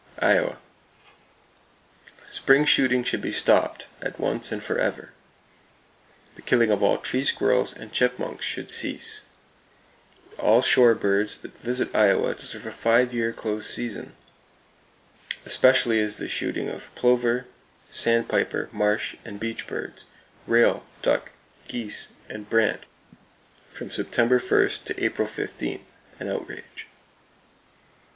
Iowa: Spring shooting should be stopped, at once and forever. [Page 281] The killing of all tree squirrels and chipmunks should cease. All shore birds that visit Iowa deserve a five year close season. Especially is the shooting of plover, sandpiper, marsh and beach birds, rail, duck, geese and brant from September 1, to April 15, an outrage.